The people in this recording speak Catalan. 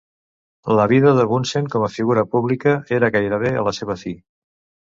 La vida de Bunsen com a figura pública era gairebé a la seva fi.